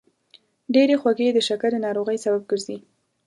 ډېرې خوږې د شکرې ناروغۍ سبب ګرځي.